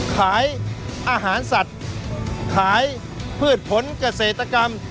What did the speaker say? ขายอาหารสัตว์ขายพืชผลเกษตรกรรม